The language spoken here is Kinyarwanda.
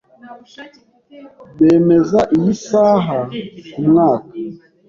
Bemeza iyi saha kumwaka.